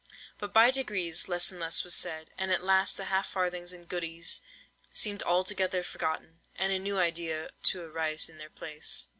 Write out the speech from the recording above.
But by degrees, less and less was said; and at last, the half farthings and "goodies" seemed altogether forgotten, and a new idea to arise in their place.